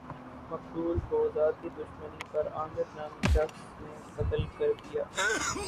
مقتول کو ذاتی دشمنی پر عامر نامی شخص نے قتل کردیا